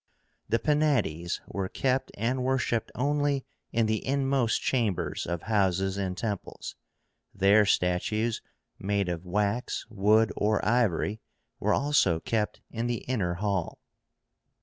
The PENÁTES were kept and worshipped only in the inmost chambers of houses and temples. Their statues, made of wax, wood, or ivory, were also kept in the inner hall.